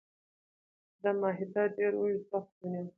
دا معاهده ډیر اوږد وخت ونیو.